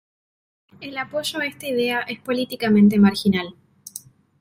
El apoyo a esta idea es políticamente marginal.